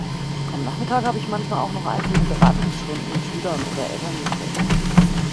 Am Nachmittag habe ich manchmal auch noch einzelne Beratungsstunden mit Schülern oder Elterngespräche.